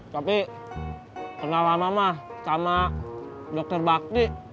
tapi kenal mama mah sama dokter bakti